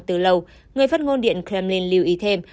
từ lâu người phát ngôn điện kremlin lưu ý thêm